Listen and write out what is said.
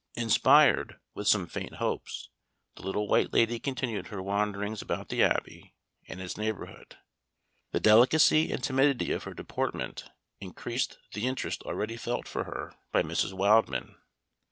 Inspired with some faint hopes, the Little White Lady continued her wanderings about the Abbey and its neighborhood. The delicacy and timidity of her deportment increased the interest already felt for her by Mrs. Wildman.